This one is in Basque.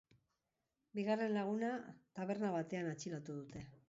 Bigarren laguna taberna batean atxilotu dute.